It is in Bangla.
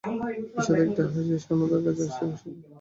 ঈষৎ একটু হাসিয়া সে অন্নদার কাছে আসিয়া বসিল।